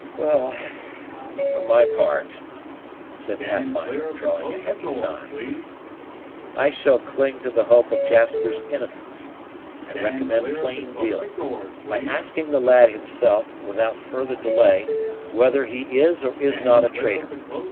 "Well, for my part," said Pathfinder, drawing a heavy sigh, "I shall cling to the hope of Jasper's innocence, and recommend plain dealing, by asking the lad himself, without further delay, whether he is or is not a traitor.